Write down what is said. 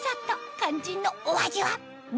肝心のお味は？